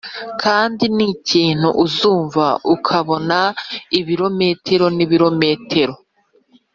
kandi nikintu uzumva ukabona ibirometero n'ibirometero.